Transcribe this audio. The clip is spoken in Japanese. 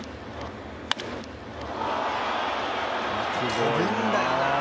「飛ぶんだよな」